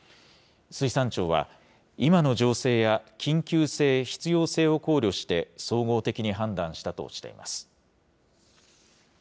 水産庁は、今の情勢や緊急性、必要性を考慮して、総合的に判断したとしています。